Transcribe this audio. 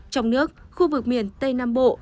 trong nước khu vực miền tây nam bộ